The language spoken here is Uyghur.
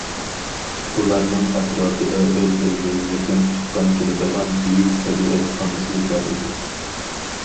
ئۇلارنىڭ ئەتراپىدا ئۆزلىرىگە يېقىن تۇغقان كېلىدىغان بۈيۈك تەبىئەت ئانىسى بار ئىدى.